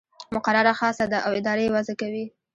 مقرره خاصه ده او اداره یې وضع کوي.